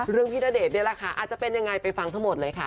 พี่ณเดชน์นี่แหละค่ะอาจจะเป็นยังไงไปฟังทั้งหมดเลยค่ะ